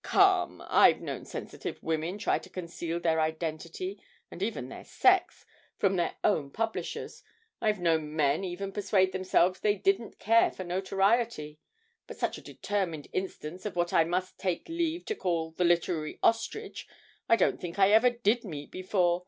'Come, I've known sensitive women try to conceal their identity, and even their sex, from their own publishers; I've known men even persuade themselves they didn't care for notoriety but such a determined instance of what I must take leave to call the literary ostrich I don't think I ever did meet before!